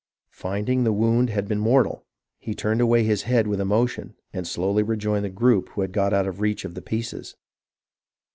Finding the wound had been mortal, he turned away his head with emotion, and slowly rejoined the group who had got out of the reach of the pieces.